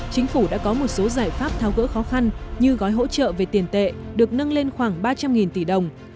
chính phủ đã có một số giải pháp tháo gỡ khó khăn như gói hỗ trợ về tiền tệ được nâng lên khoảng ba trăm linh tỷ đồng